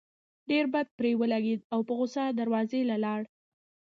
ډېر بد پرې ولګېدل او پۀ غصه دروازې له لاړه